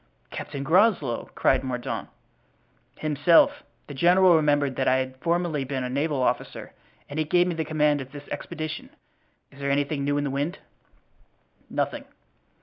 "Captain Groslow!" cried Mordaunt. "Himself. The general remembered that I had formerly been a naval officer and he gave me the command of this expedition. Is there anything new in the wind?" "Nothing."